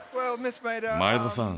前田さん